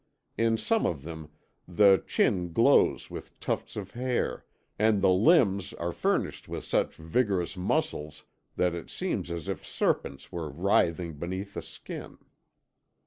In some of them the chin glows with tufts of hair, and the limbs are furnished with such vigorous muscles that it seems as if serpents were writhing beneath the skin.